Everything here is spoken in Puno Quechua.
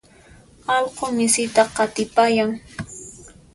Allqu misita qatipayan.